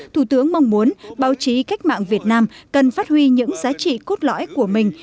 thủ tướng mong muốn báo chí cách mạng việt nam cần phát huy những giá trị cốt lõi của mình